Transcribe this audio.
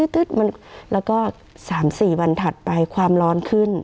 แล้วก็๓๔วันถัดไปความร้อนขึ้น